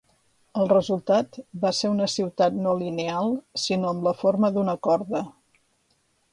El resultat va ser una ciutat no lineal sinó amb la forma d'una corda.